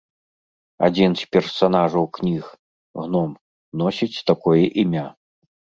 Адзін з персанажаў кніг, гном, носіць такое імя.